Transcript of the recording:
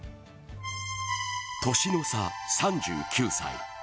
年の差、３９歳。